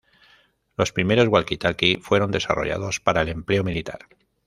Los primeros walkie-talkie fueron desarrollados para el empleo militar.